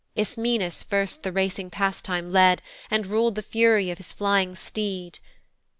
Ismenus first the racing pastime led, And rul'd the fury of his flying steed.